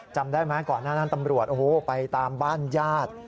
จำได้ไหมก่อนหน้านั้นตำรวจโอ้โหไปตามบ้านญาติ